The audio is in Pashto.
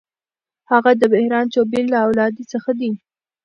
هغه د بهرام چوبین له اولادې څخه دی.